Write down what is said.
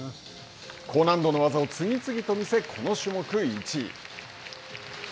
高難度の技を次々と見せこの種目１位。